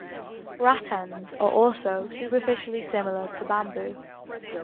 Rattans are also superficially similar to bamboo.